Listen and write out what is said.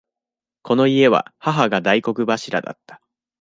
この家は母が大黒柱だった。